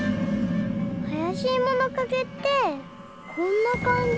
あやしいものかげってこんなかんじ？